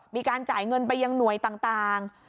มีการจ่ายเงินไปยังหน่วยต่าง